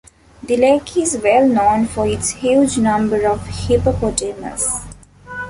The lake is well known for its huge number of hippopotamus.